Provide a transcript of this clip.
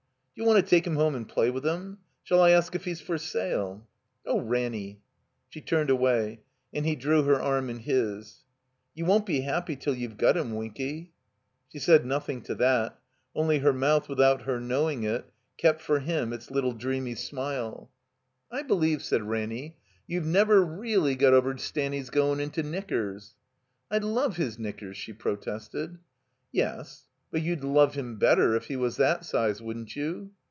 "D'you want to take him home and play with him? Shall I ask if he's for sale?" "Oh, Ranny!" She turned away. And he drew her arm in his. "You won't be happy till you've got him, Winky." She said nothing to that; only her mouth, with out her knowing it, kept for him its little dreamy smile. 366 THE COMBINED MAZE '*I believe," said Ranny, "you've never reelly got over Stanley's goin' into knickers." *'I love his knickers," she protested. "Yes, but you'd love him better if he was that size, wouldn't you?"